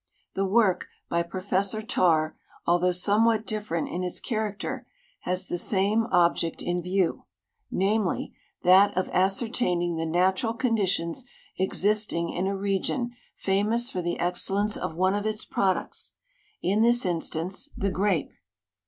The work. by Profe.ssor Tarr, although somewhat different in its character, has the same object in view, namely, that of ascertaining the natural conditions existing in a region famous for the excellence of one of its ju oduc.ts, in this instance the grape.